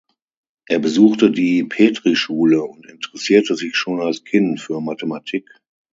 Er besuchte die Petrischule und interessierte sich schon als Kind für Mathematik.